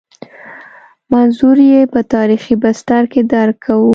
منظور یې په تاریخي بستر کې درک کوو.